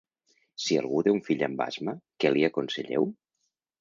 Si algú té un fill amb asma, què li aconselleu?